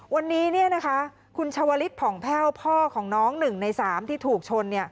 วันนี้นะคะคุณชวลิศผ่องแพร่วพ่อของน้องหนึ่งใน๓ที่ถูกชน